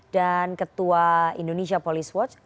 dan ketua indonesia police watch